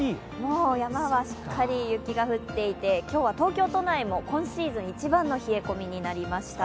山はしっかり雪が降っていて、今日は東京都内も今シーズン一番の冷え込みになりました。